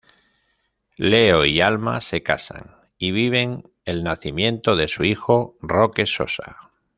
Leo y Alma se casan y viven el nacimiento de su hijo, Roque Sosa.